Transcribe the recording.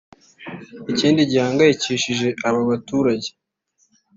Ikindi gihangayikihishije aba baturage